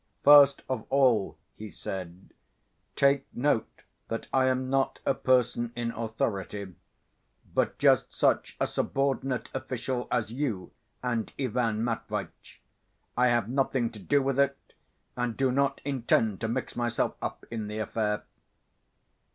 "First of all," he said, "take note that I am not a person in authority, but just such a subordinate official as you and Ivan Matveitch.... I have nothing to do with it, and do not intend to mix myself up in the affair."